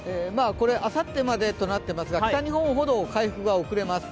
あさってまでとなっていますが、北日本ほど回復が遅れます。